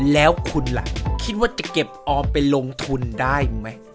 แล้วคุณล่ะคิดว่าจะเก็บออมไปลงทุนได้ไหม